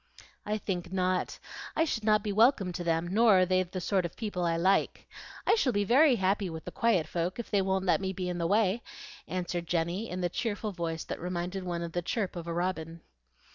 "I think not. I should not be welcome to them, nor are they the sort of people I like. I shall be very happy with the 'quiet folk,' if they won't let me be in the way," answered Jenny, in the cheerful voice that reminded one of the chirp of a robin.